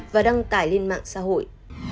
và đăng tải lên mạng xã hội